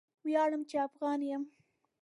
ویاړم چې افغان یم.